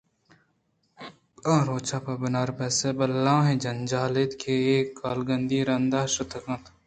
آ روچ پہ بناربس ءَ بلاہیں جنجالے اَت کہ اے کاگدانی رند ءَ شتگ اَت